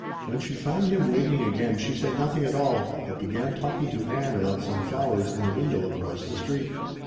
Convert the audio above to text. When she found him waiting again she said nothing at all, but began talking to Ann about some flowers in a window across the street.